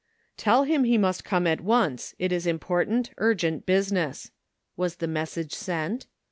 " Tell him he must come at once, it is important, urgent business," was the message sent.